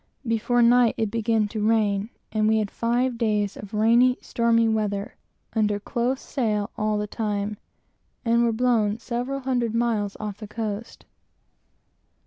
Before night it began to rain; and we had five days of rainy, stormy weather, under close sail all the time, and were blown several hundred miles off the coast.